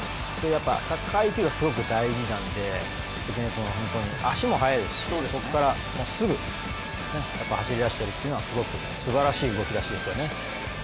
サッカーＩＱがすごく大事なので、足も速いですし、そこからすぐ走り出しているというのがすごくすばらしい動きだしですよね。